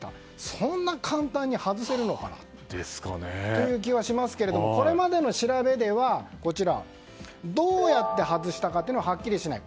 そんな簡単に外せるのかなという気はしますけどこれまでの調べではどうやって外したかというのははっきりしない。